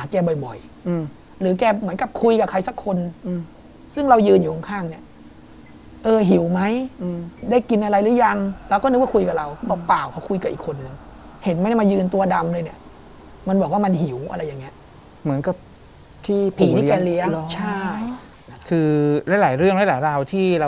คุณพัฒน์เลี้ยงเยอะขนาดเนี้ย